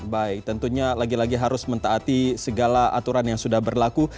baik tentunya lagi lagi harus mentaati segala aturan yang sudah berlaku